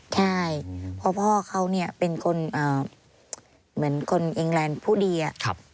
ใช่เพราะพ่อเขาเนี่ยเป็นคนเหมือนคนเองแลนด์ผู้ดีอะ